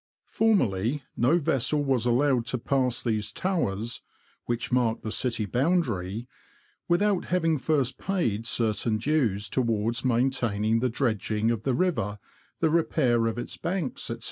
Formerly no vessel was allowed to pass these towers (which mark the city boundary) without having first paid certain dues towards maintaining the dredging of the river, the repair of its banks, &c.